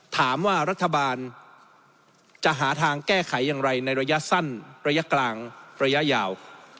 ถามว่ารัฐบาลจะหาทางแก้ไขอย่างไรในระยะสั้นระยะกลางระยะยาว